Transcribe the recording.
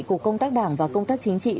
cục công tác đảng và công tác chính trị